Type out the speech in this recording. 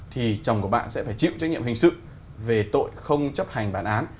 thì chồng của bạn sẽ phải chịu trách nhiệm hình sự về tội không chấp hành bản án